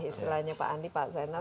istilahnya pak andi pak zainal